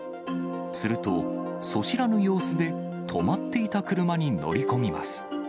すると、素知らぬ様子で、止まっていた車に乗り込みます。